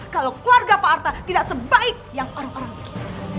kalau keluarga pak arta tidak sebaik yang orang orang itu